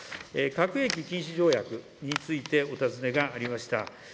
核兵器禁止条約についてお尋ねがありました。